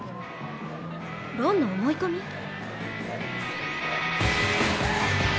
ロンの思い込み？